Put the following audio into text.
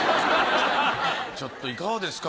ちょっといかがですか？